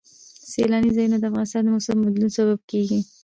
سیلاني ځایونه د افغانستان د موسم د بدلون سبب کېږي.